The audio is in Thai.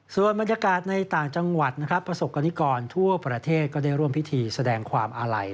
ส่วนบรรยากาศในต่างจังหวัดนะครับประสบกรณิกรทั่วประเทศก็ได้ร่วมพิธีแสดงความอาลัย